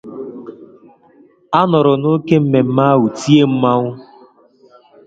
A nọrọ na óké mmemme ahụ tie mmanwụ